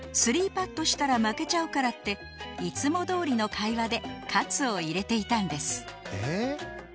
３パットしたら負けちゃうからっていつもどおりの会話で活を入れていたんです。